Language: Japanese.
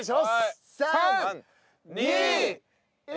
３２１０！